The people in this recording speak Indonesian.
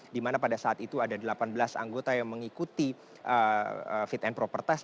di mana pada saat itu ada delapan belas anggota yang mengikuti fit and proper test